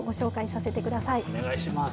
お願いします。